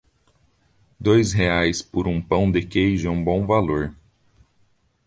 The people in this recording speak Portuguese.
Dois reais por um pão de queijo é um bom valor